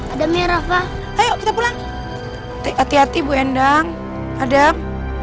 ada merah pak ayo kita pulang hati hati bu endang adam